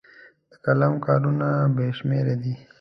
د قلم کارونه بې شمېره دي.